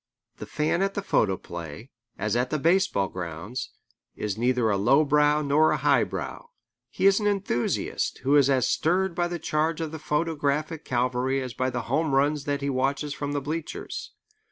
The fan at the photoplay, as at the baseball grounds, is neither a low brow nor a high brow. He is an enthusiast who is as stirred by the charge of the photographic cavalry as by the home runs that he watches from the bleachers.